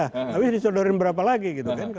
habis disodorin berapa lagi gitu kan